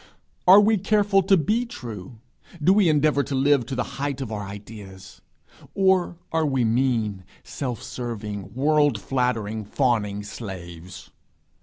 Are we careful to be true? Do we endeavour to live to the height of our ideas? Or are we mean, self serving, world flattering, fawning slaves?